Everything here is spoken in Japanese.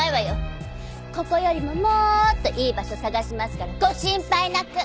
ここよりももーっといい場所探しますからご心配なく。